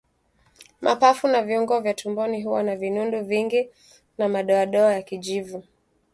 Mapafu na viungo vya tumboni huwa na vinundu vingi na madoadoa ya kijivu